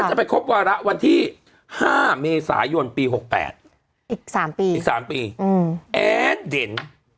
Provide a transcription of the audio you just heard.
จะไปครบวาระวันที่๕เมษายนปี๖๘อีก๓ปีอีก๓ปีแอดเด่น